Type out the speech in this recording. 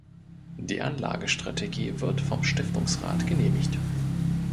Die Anlagestrategie wird vom Stiftungsrat genehmigt.